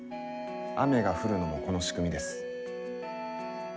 雨が降るのもこの仕組みです。